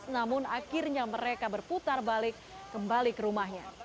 namun akhirnya mereka berputar balik kembali ke rumahnya